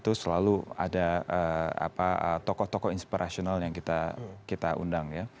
itu selalu ada tokoh tokoh inspirational yang kita undang